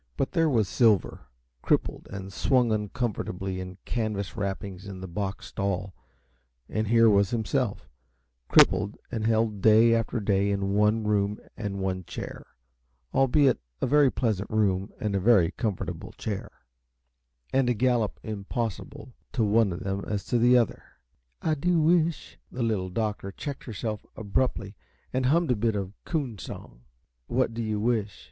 But there was Silver, crippled and swung uncomfortably in canvas wrappings in the box stall, and here was himself, crippled and held day after day in one room and one chair albeit a very pleasant room and a very comfortable chair and a gallop as impossible to one of them as to the other. "I do wish " The Little Doctor checked herself abruptly, and hummed a bit of coon song. "What do you wish?"